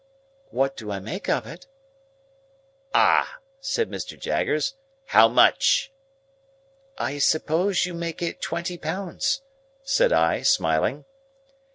"What do I make of it?" "Ah!" said Mr. Jaggers; "how much?" "I suppose you make it twenty pounds," said I, smiling.